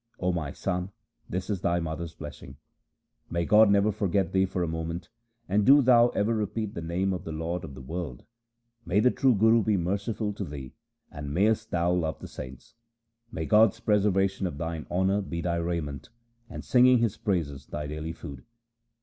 O my son, this is thy mother's blessing. 278 THE SIKH RELIGION May God never forget thee for a moment, and do thou ever repeat the name of the Lord of the world ! May the true Guru be merciful to thee and mayest thou love the saints ! May God's preservation of thine honour be thy raiment, and singing His praises thy daily food